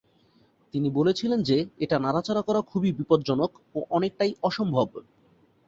তিনি বলেছিলেন যে, এটা নাড়াচাড়া করা খুবই বিপজ্জনক ও অনেকটাই অসম্ভব।